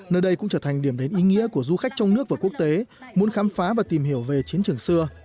nơi đây cũng trở thành điểm đến ý nghĩa của du khách trong nước và quốc tế muốn khám phá và tìm hiểu về chiến trường xưa